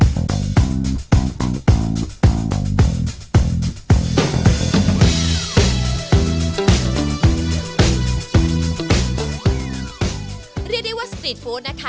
เรียกได้ว่าสตรีทฟู้ดนะคะ